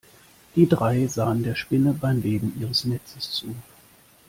Die drei sahen der Spinne beim Weben ihres Netzes zu.